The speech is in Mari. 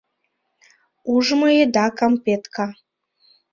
Ужмо еда кампетка.